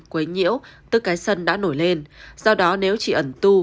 quấy nhiêu tức cái sân đã nổi lên do đó nếu chỉ ẩn tu